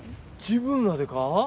自分らでか？